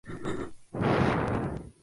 Alrededor de tres mil regresaron.